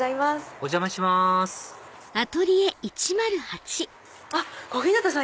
お邪魔します小日向さん！